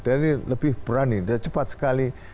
jadi lebih berani cepat sekali